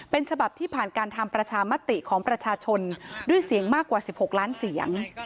เป็นฉบับที่ผ่านการทำประชามติของประชาชนด้วยเสียงมากกว่า๑๖ล้านเสียง